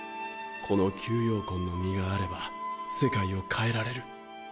この吸妖魂の実があれば世界を変えられる。